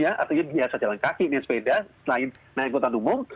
artinya biasa jalan kaki bersepeda selain naik kota umum